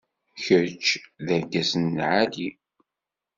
Kecc d argaz n lɛali.